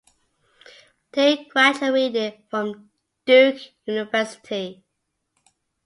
Diane graduated from Duke University.